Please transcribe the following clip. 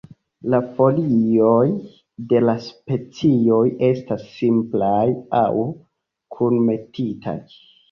La folioj de la specioj estas simplaj aŭ kunmetitaj.